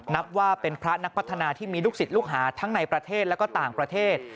นับว่าเป็นพระนักพัฒนาที่มีลูกศิษย์ลูกหาทั้งในประเทศและก็ต่างประเทศ